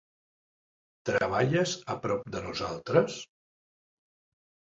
Treballes a prop de nosaltres?